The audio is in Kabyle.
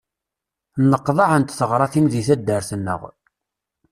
Nneqḍaɛent teɣratin deg taddart-nneɣ.